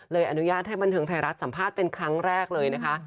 อนุญาตให้บันเทิงไทยรัฐสัมภาษณ์เป็นครั้งแรกเลยนะคะ